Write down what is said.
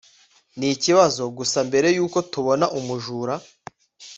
ni ikibazo gusa mbere yuko tubona umujura